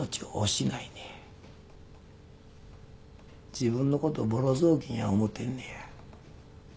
自分のことボロぞうきんや思うてんねや。